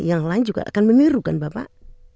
yang lain juga akan meniru kan bapak